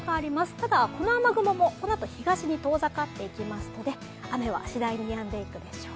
ただ、この雨雲もこのあと東に遠ざかっていきますので、雨は次第にやんでいくでしょう。